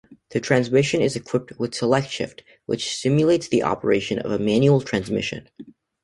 The transmission is equipped with "SelectShift" which simulates the operation of a manual transmission.